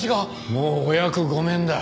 もうお役御免だ。